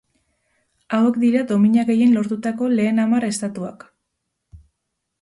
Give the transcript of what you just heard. Hauek dira domina gehien lortutako lehen hamar estatuak.